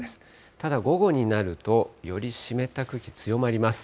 ただ午後になると、より湿った空気、強まります。